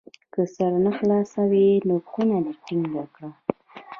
که سر نه خلاصوي نو کونه دې ټینګه کړي.